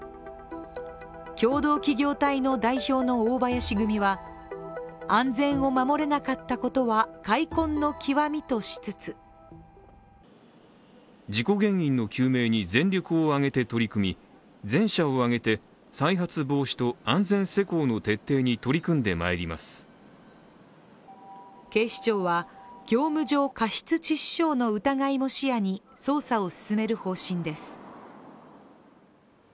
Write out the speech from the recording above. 共同企業体の代表の大林組は、安全を守れなかったことは悔恨の極みとしつつ警視庁は業務上過失致死傷の疑いも視野に捜査を進める方針です。